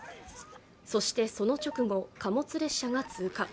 そしてその直後、貨物列車が通過。